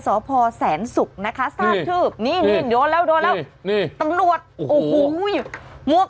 สศษสุคนะคะทราบชื่อนี่มิ้นโดนแล้วโดนแล้วนี่นี่ตำรวจอู้หู้ย